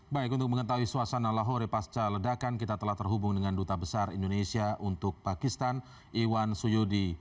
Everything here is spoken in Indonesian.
baik untuk mengetahui suasana lahore pasca ledakan kita telah terhubung dengan duta besar indonesia untuk pakistan iwan suyudi